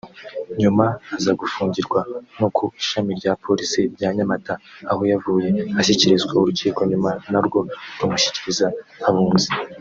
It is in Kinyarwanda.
nyuma aza gufungirwa no ku ishami rya Polisi rya Nyamata aho yavuye ashyikirizwa urukiko nyuma narwo rumushyikiriza Abunzi